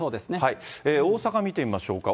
大阪見てみましょうか。